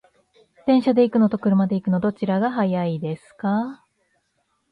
電車で行くのと車で行くの、どちらが早いですか？